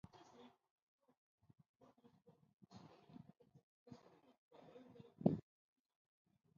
நான்தான் Abu Amir! என்று கூறினார்.